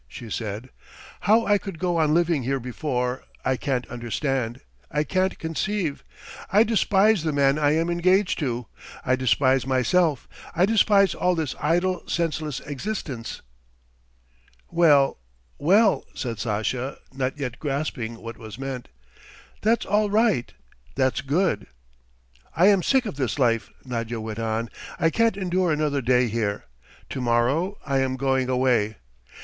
.." she said. "How I could go on living here before, I can't understand, I can't conceive! I despise the man I am engaged to, I despise myself, I despise all this idle, senseless existence." "Well, well," said Sasha, not yet grasping what was meant. "That's all right ... that's good." "I am sick of this life," Nadya went on. "I can't endure another day here. To morrow I am going away.